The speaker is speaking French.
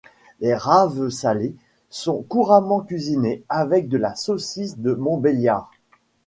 Les raves salées sont couramment cuisinées avec de la saucisse de Montbéliard.